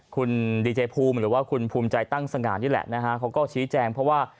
คุณดีเจภูมิหรือว่าคุณภูมิใจตั้งสง่านนี่แหละนะฮะเขาก็ชี้แจงเพราะว่า